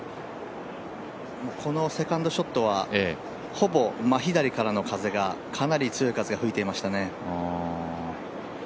このセカンドショットはほぼ真左からの風が、かなり強い風が吹いていましたね。